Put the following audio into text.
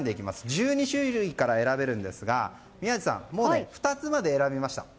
１２種類から選べますが宮司さん、２つまで選びました。